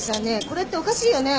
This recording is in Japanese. これっておかしいよね？